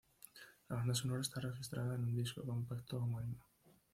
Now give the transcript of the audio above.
La banda sonora está registrada en un disco compacto homónimo.